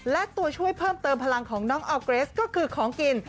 และตัวช่วยเพิ่มเติมพลังของน้องออร์เกรสก็คือของกิน